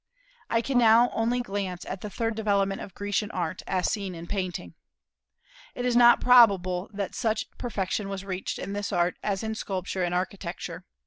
I can now only glance at the third development of Grecian Art, as seen in painting. It is not probable that such perfection was reached in this art as in sculpture and architecture.